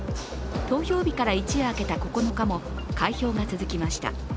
投票日から一夜明けた９日も開票が続きました。